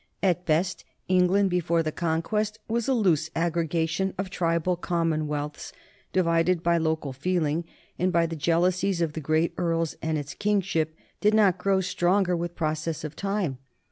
At best England before the Conquest was a loose aggregation of tribal commonwealths divided by local feeling and by the jealousies of the great earls, and its kingship did not grow stronger with process of time.